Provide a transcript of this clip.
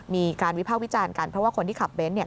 มีการวิภาควิจารณ์กันเพราะว่าคนที่ขับเน้นเนี่ย